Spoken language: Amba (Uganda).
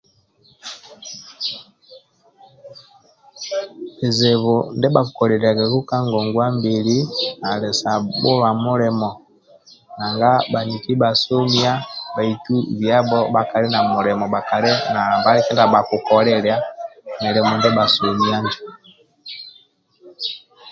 Bizibu ndia bhakikoliliagaku ka ngongwa mbili ali sa bhulua milimo nanga bhaniki bhasomia bhaitu biabho bhakali nambali kindia bhakikolilia milimo ndia bhasomia injo